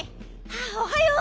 おはよう！